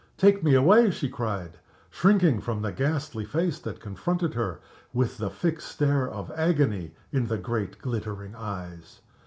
"Take me away!" she cried, shrinking from the ghastly face that confronted her with the fixed stare of agony in the great, glittering eyes.